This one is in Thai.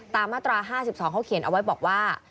มาตรา๕๒เขาเขียนเอาไว้บอกว่า